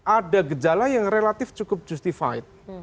ada gejala yang relatif cukup justified